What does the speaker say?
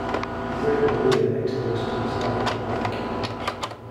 The Great Pamir extends to the south of the lake.